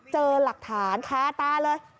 เจอหลักฐานคาตาเลย